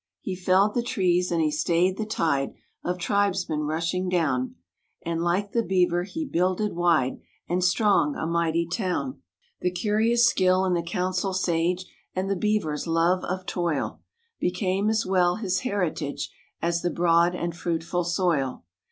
He felled the trees and he stayed the tide Of tribesmen rushing down, And, like the beaver, he builded wide And strong a mighty town. The curious skill and the council sage, And the beaver's love of toil, Became as well his heritage As the broad and fruitful soil.